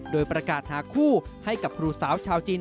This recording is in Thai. โดยประกาศหาคู่ให้กับครูสาวชาวจีน